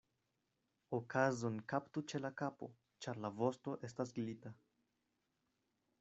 Okazon kaptu ĉe la kapo, ĉar la vosto estas glita.